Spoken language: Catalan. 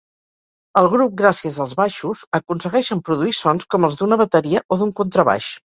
El grup, gràcies als baixos, aconsegueixen produir sons com els d'una bateria o d'un contrabaix.